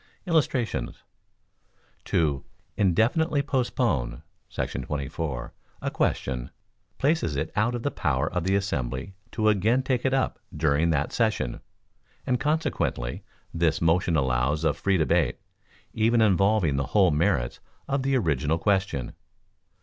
Illustrations: To "Indefinitely Postpone" [§ 24] a question, places it out of the power of the assembly to again take it up during that session, and consequently this motion allows of free debate, even involving the whole merits of the original question.